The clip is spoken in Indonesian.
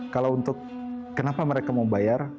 kalau untuk kenapa mereka mau bayar